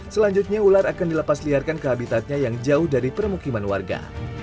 selanjutnya ular akan dilepas liarkan ke habitatnya yang jauh dari permukiman warga